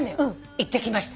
行ってきました。